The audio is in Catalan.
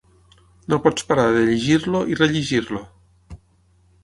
No pots parar de llegir-lo i rellegir-lo